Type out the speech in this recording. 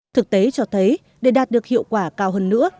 thực tế cho thấy để đạt được hiệu quả cao hơn nữa